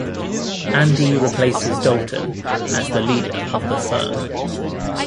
Andy replaces Dalton as the leader of The Firm.